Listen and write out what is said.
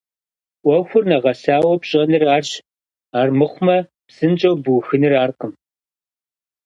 Ӏуэхур нэгъэсауэ пщӀэныр арщ, армыхъумэ псынщӀэу бухыныр аркъым.